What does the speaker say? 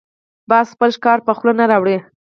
باز خپل ښکار په خوله نه راوړي